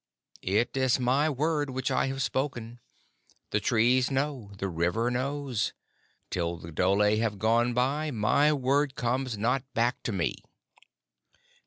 "It is my Word which I have spoken. The Trees know, the River knows. Till the dhole have gone by my Word comes not back to me."